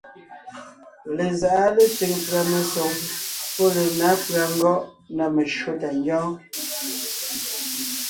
Lezáʼa lésẅiŋ pʉ̀a mesoŋ pɔ́ lenǎ pʉ̀a ngɔ́ʼ na meshÿó tà ńgyɔ́ɔn.